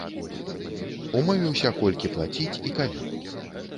Умовіўся колькі плаціць і калі.